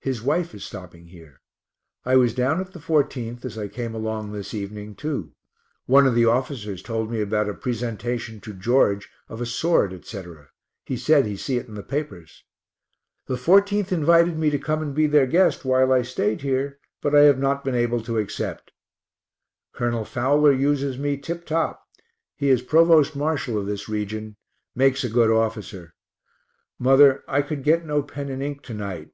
His wife is stopping here. I was down at the 14th as I came along this evening, too one of the officers told me about a presentation to George of a sword, etc. he said he see it in the papers. The 14th invited me to come and be their guest while I staid here, but I have not been able to accept. Col. Fowler uses me tip top he is provost marshal of this region; makes a good officer. Mother, I could get no pen and ink to night.